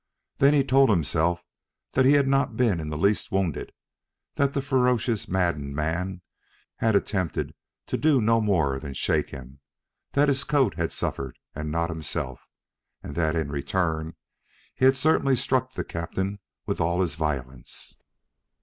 Then he told himself that he had not been in the least wounded, that the ferocious maddened man had attempted to do no more than shake him, that his coat had suffered and not himself, and that in return he had certainly struck the captain with all his violence.